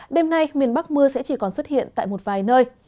đêm nay miền bắc mưa sẽ chỉ còn xuất hiện tại một vài nơi